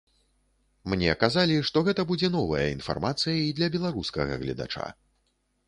Мне казалі, што гэта будзе новая інфармацыя і для беларускага гледача.